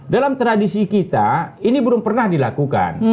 dalam tradisi kita ini belum pernah dilakukan